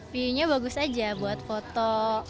view nya bagus aja buat foto